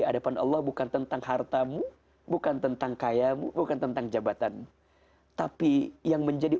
hadapan allah bukan tentang hartamu bukan tentang kayamu bukan tentang jabatan tapi yang menjadi